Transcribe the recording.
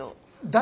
誰？